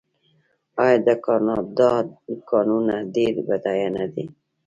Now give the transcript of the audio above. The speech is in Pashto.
آیا د کاناډا کانونه ډیر بډایه نه دي؟